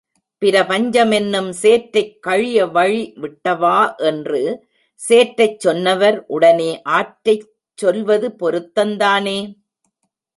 பிரபஞ்சமென்னும் சேற்றைக் கழிய வழி விட்டவா என்று சேற்றைச் சொன்னவர் உடனே ஆற்றைச் சொல்வது பொருத்தந்தானே?